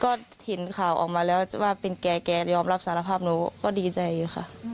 ก็เห็นข่าวออกมาแล้วว่าเป็นแกแกยอมรับสารภาพหนูก็ดีใจอยู่ค่ะ